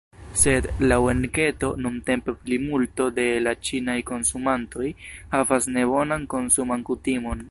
Sed, laŭ enketo, nuntempe plimulto de la ĉinaj konsumantoj havas nebonan konsuman kutimon.